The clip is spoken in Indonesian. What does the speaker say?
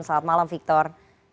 selamat malam victor